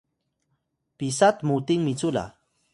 pisa tmuting micu la